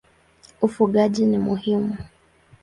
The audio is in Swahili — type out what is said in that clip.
Ufugaji ni muhimu.